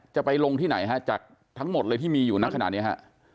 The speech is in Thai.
จะไปลงที่ไหนฮะจากทั้งหมดเลยที่มีอยู่ในขณะนี้ฮะ